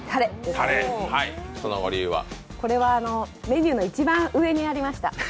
これはメニューの一番上にありました。